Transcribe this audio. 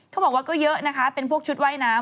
เขาบอกว่าก็เยอะนะคะเป็นพวกชุดว่ายน้ำ